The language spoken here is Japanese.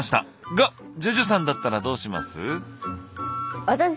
がＪＵＪＵさんだったらどうします？